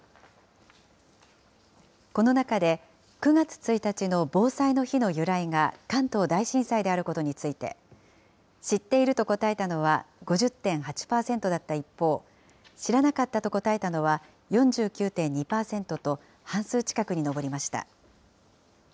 この中で、９月１日の防災の日の由来が関東大震災であることについて、知っていると答えたのは５０．８％だった一方、知らなかったと答えたのは４９．２％と、半数近くに上りました。